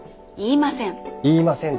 言いません。